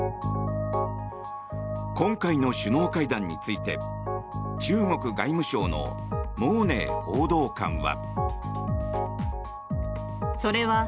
今回の首脳会談について中国外務省のモウ・ネイ報道官は。